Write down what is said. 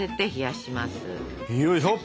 よいしょ。